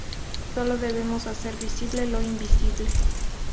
Solo debemos "hacer visible lo invisible".